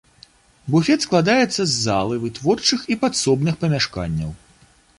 Буфет складаецца з залы, вытворчых і падсобных памяшканняў.